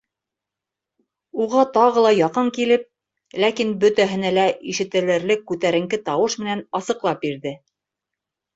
Уға тағы ла яҡын килеп, ләкин бөтәһенә лә ишетелерлек күтәренке тауыш менән асыҡлап бирҙе: